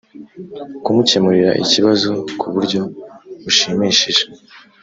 kumukemurira ikibazo ku buryo bushimishije